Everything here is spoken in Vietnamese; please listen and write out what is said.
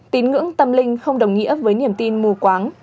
tín ngưỡng tâm linh không đồng nghĩa với niềm tin mù quáng